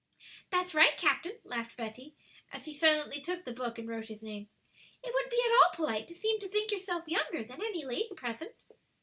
"That's right, captain," laughed Betty, as he silently took the book and wrote his name, "it wouldn't be at all polite to seem to think yourself younger than any lady present."